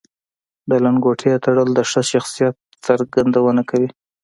د لنګوټې تړل د ښه شخصیت څرګندونه کوي